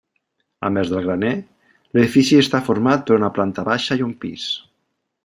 A més del graner, l'edifici està format per una planta baixa i un pis.